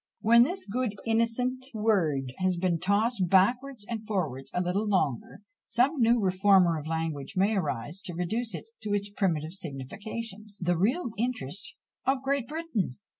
When this good innocent word has been tossed backwards and forwards a little longer, some new reformer of language may arise to reduce it to its primitive signification _the real interest of Great Britain!